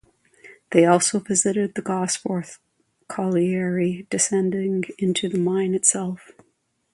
They also visited the Gosforth Colliery, descending into the mine itself.